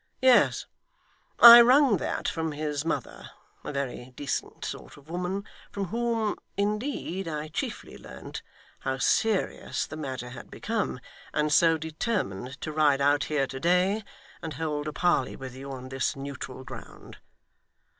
Yes. I wrung that from his mother a very decent sort of woman from whom, indeed, I chiefly learnt how serious the matter had become, and so determined to ride out here to day, and hold a parley with you on this neutral ground.